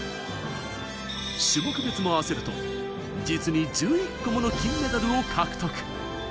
種目別も合わせると、実に１１個もの金メダルを獲得。